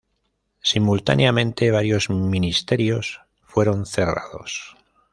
Simultáneamente, varios ministerios fueron cerrados.